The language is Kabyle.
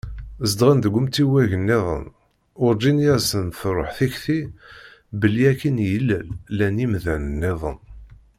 Zedɣen deg umtiweg-nniḍen, urǧin i asen-d-truḥ tikti belli akkin i yillel, llan yimdanen-nniḍen.